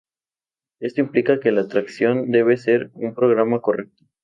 Esto implica que la transacción debe ser un programa correcto.